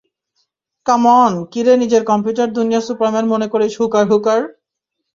কাম on কিরে নিজেকে computer দুনিয়ার সুপারম্যান মনে করিস হুকার হুকার?